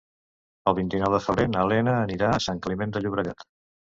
El vint-i-nou de febrer na Lena anirà a Sant Climent de Llobregat.